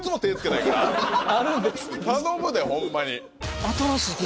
頼むでホンマに。